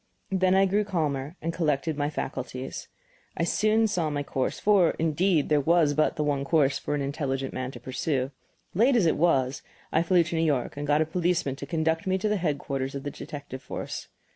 Then I grew calmer and collected my faculties. I soon saw my course for, indeed, there was but the one course for an intelligent man to pursue. Late as it was, I flew to New York and got a policeman to conduct me to the headquarters of the detective force.